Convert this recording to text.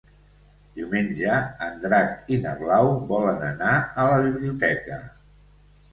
Diumenge en Drac i na Blau volen anar a la biblioteca.